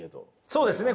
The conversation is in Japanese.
そうですね。